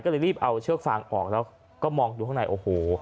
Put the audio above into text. ก็เลยรีบเอาเชือกฟางออกแล้วก็มองดูข้างในโอ้โห